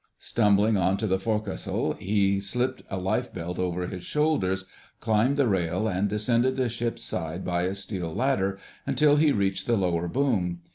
Stumbling on to the forecastle, he slipped a life belt over his shoulders, climbed the rail, and descended the ship's side by a steel ladder, until he reached the lower boom.